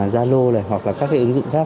zalo này hoặc là các cái ứng dụng khác